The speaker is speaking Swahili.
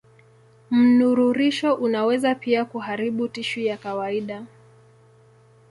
Mnururisho unaweza pia kuharibu tishu ya kawaida.